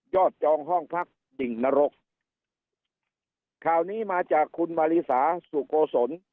จองห้องพักดิ่งนรกข่าวนี้มาจากคุณมาริสาสุโกศล